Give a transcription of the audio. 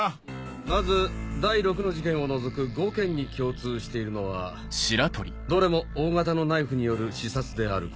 まず第６の事件を除く５件に共通しているのはどれも大型のナイフによる刺殺であること。